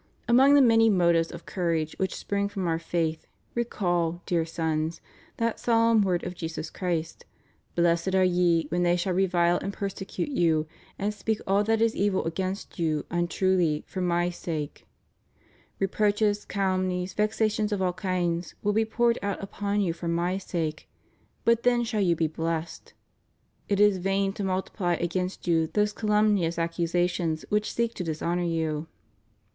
Among the many motives of courage which spring from our faith, recall, dear Sons, that solemn word of Jesus Christ: Blessed are ye when they shall revile and persecute you, and speak all that is evil against you untruly for My sake} Reproaches, calumnies, vexations of all kinds will be poured out upon you for My sake, but then shall you be blessed. It is in vain to multiply against you those calumnious accusations which seek to dishonor you.